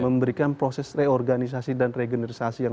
memberikan proses reorganisasi dan regenerasasi yang banyak